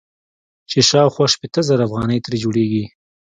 چې شاوخوا شپېته زره افغانۍ ترې جوړيږي.